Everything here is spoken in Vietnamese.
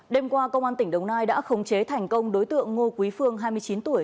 đêm qua công an tỉnh đồng nai đã khống chế thành công đối tượng ngô quý phương hai mươi chín tuổi